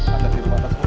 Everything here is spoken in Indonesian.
ada di rumah kita semua